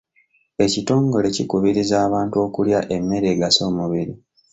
Ekitongole kikubiriza abantu okulya emmere egasa omubiri.